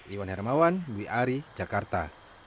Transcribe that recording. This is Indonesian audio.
iwan hermawan wiari jakarta